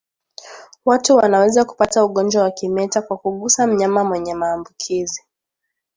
Watu wanaweza kupata ugonjwa wa kimeta kwa kugusa mnyama mwenye maambukizi